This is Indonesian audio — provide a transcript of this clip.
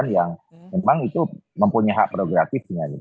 yang memang itu mempunyai hak progratif